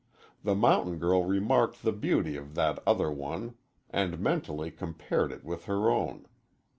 The mountain girl remarked the beauty of that other one and mentally compared it with her own.